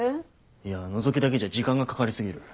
いや覗きだけじゃ時間がかかり過ぎる。